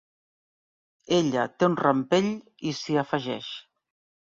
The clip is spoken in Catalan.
Ella té un rampell i s'hi afegeix.